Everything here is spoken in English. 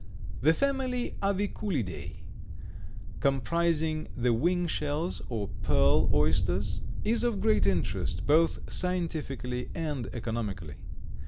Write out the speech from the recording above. The family Aviculidae, comprising the wing shells or pearl oysters, is of great interest, both scientifically and economically.